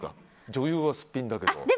女優はすっぴんだけどみたいな。